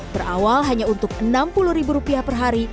berawal hanya untuk enam puluh ribu rupiah per hari